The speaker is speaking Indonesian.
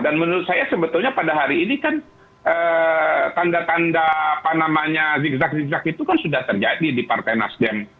dan menurut saya sebetulnya pada hari ini kan tanda tanda apa namanya zigzag zigzag itu kan sudah terjadi di partai nasdem